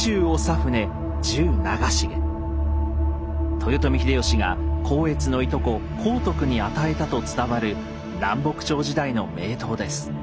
豊臣秀吉が光悦のいとこ光徳に与えたと伝わる南北朝時代の名刀です。